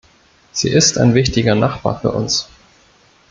Sie ist ein wichtiger Nachbar für uns.